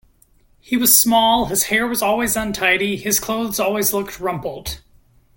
He was small, his hair was always untidy, his clothes always looked rumpled.